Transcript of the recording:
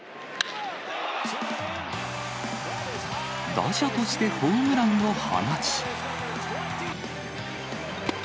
打者としてホームランを放ち。